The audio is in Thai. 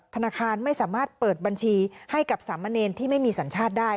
ธนาคารไม่สามารถเปิดบัญชีให้กับสามเณรที่ไม่มีสัญชาติได้